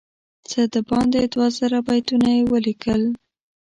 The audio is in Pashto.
څه باندې دوه زره بیتونه یې ولیکل.